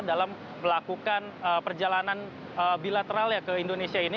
dalam melakukan perjalanan bilateralnya ke indonesia ini